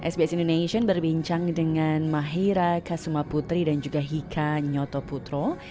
sbs indonesia berbincang dengan mahira kasumaputri dan juga hika nyotoputro